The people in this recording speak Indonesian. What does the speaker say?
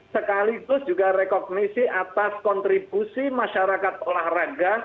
sekaligus juga rekognisi atas kontribusi masyarakat olahraga